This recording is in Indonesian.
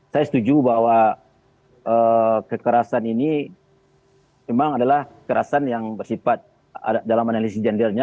saya setuju bahwa kekerasan ini memang adalah kekerasan yang bersifat dalam analisis gendernya